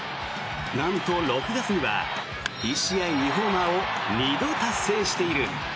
なんと６月には１試合２ホーマーを２度達成している。